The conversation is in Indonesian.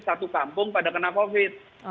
satu kampung pada kena covid